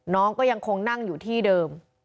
น้องก็ยังคงนั่งอยู่ที่เดิม